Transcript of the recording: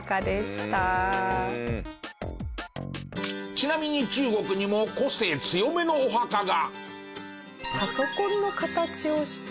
ちなみに中国にも個性強めのお墓が。